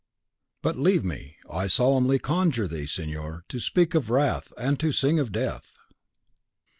(But leave me, I solemnly conjure thee, signor, to speak of wrath, and to sing of death.)